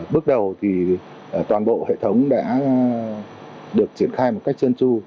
bước đầu thì toàn bộ hệ thống đã được triển khai một cách chân chu